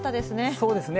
そうですね。